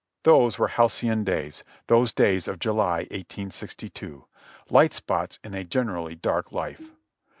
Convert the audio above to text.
Those were halcyon days, those days of July, 1862; light spots in a generally dark life.